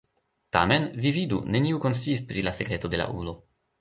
Tamen, vi vidu, neniu konsciis pri la sekreto de la ulo.